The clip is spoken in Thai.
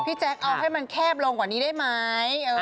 แจ๊คเอาให้มันแคบลงกว่านี้ได้ไหม